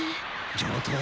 上等！